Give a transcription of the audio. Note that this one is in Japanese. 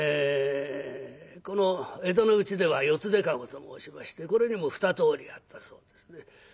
この江戸のうちでは四つ手駕籠と申しましてこれにも２通りあったそうですね。